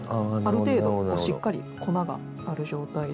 ある程度しっかり粉がある状態で。